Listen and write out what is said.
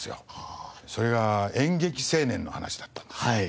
それが演劇青年の話だったんです。